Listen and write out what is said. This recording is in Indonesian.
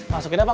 masukin apa pak